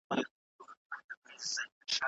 مرګ د ټولو دنیوي دردونو پای دی.